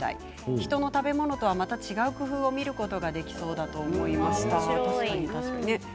人の食べ物とまた違う工夫を見ることができそうだと思いますということです。